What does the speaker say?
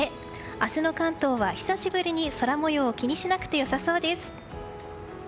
明日の関東は久しぶりに空模様を気にしなくてよさそうです。